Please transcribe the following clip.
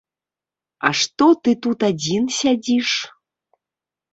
А што ты тут адзін сядзіш?